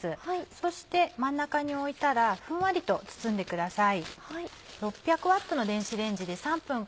そして真ん中に置いたらふんわりと包んでください。